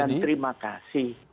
jodan terima kasih